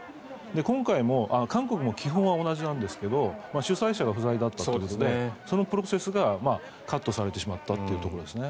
今回も韓国は基本は同じなんですが主催者が不在だったということでそのプロセスがカットされてしまったというところですね。